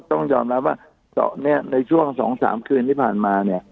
ต้องยอมรับว่าในช่วง๒๓คืนที่ผ่านมาเนี่ย